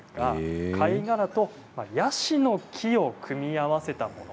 貝殻とヤシの木を組み合わせたもの。